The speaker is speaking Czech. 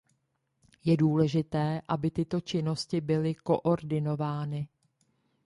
Je důležité, aby tyto činnosti byly koordinovány.